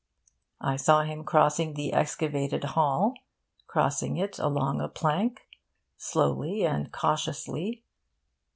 I saw him crossing the excavated hall, crossing it along a plank, slowly and cautiously.